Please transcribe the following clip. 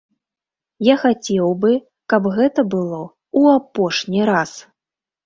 Я хацеў бы, каб гэта было ў апошні раз.